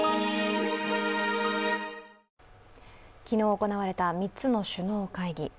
昨日行われた３つの首脳会議